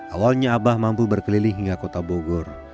awalnya abah mampu berkeliling hingga kota bogor